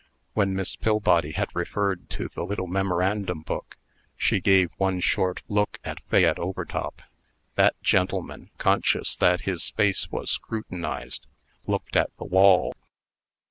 When Miss Pillbody had referred to the little memorandum book, she gave one short look at Fayette Overtop. That gentleman, conscious that his face was scrutinized, looked at the wall.